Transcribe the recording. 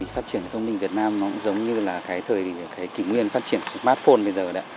phát triển nhà thông minh việt nam cũng giống như là cái thời kỷ nguyên phát triển smartphone bây giờ